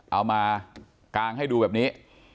เอามากางให้ดูแบบนี้